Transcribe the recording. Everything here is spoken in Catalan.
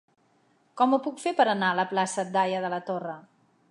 Com ho puc fer per anar a la plaça d'Haya de la Torre?